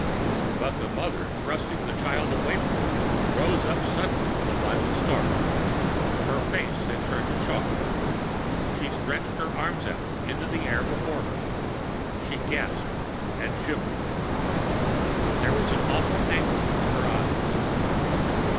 But the mother, thrusting the child away from her, rose up suddenly with a violent start. Her face had turned to chalk. She stretched her arms out into the air before her. She gasped and shivered. There was an awful anguish in her eyes.